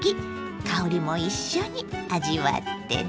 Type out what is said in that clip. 香りも一緒に味わってね。